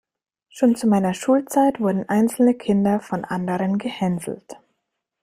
Schon zu meiner Schulzeit wurden einzelne Kinder von anderen gehänselt.